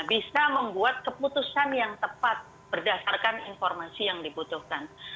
bisa membuat keputusan yang tepat berdasarkan informasi yang dibutuhkan